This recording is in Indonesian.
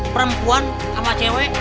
perempuan sama cewek